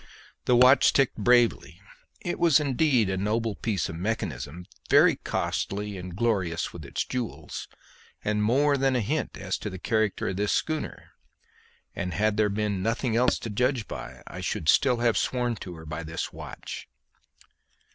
The watch ticked bravely. It was indeed a noble piece of mechanism, very costly and glorious with its jewels, and more than a hint as to the character of this schooner; and had there been nothing else to judge by I should still have sworn to her by this watch.